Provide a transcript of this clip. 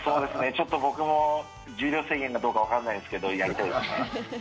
ちょっと僕も重量制限がどうかわからないですけどやりたいですね。